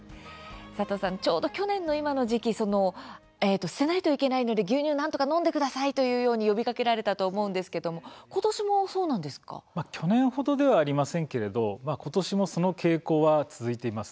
佐藤さん、ちょうど去年の今の時期捨てないといけないので牛乳、なんとか飲んでくださいというように呼びかけられたと思うんですけども去年ほどではありませんけれど今年もその傾向は続いています。